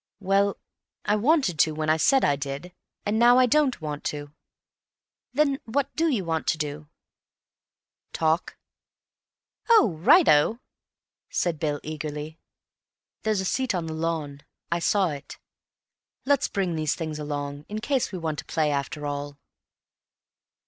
"Well, I wanted to when I said I did, and now I don't want to." "Then what do you want to do?" "Talk." "Oh, right o!" said Bill eagerly. "There's a seat on the lawn—I saw it. Let's bring these things along in case we want to play, after all."